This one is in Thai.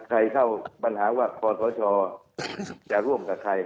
ใครเข้าปัญหาว่าคทจะร่วมกับใคร